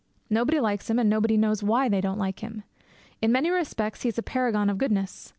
Nobody likes him, and nobody knows why they don't like him. In many respects he is a paragon of goodness.